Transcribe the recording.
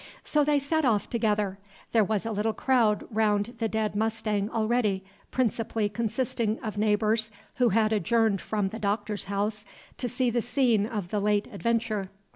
So they set off together. There was a little crowd round the dead mustang already, principally consisting of neighbors who had adjourned from the Doctor's house to see the scene of the late adventure.